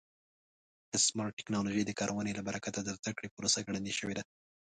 د سمارټ ټکنالوژۍ د کارونې له برکته د زده کړې پروسه ګړندۍ شوې ده.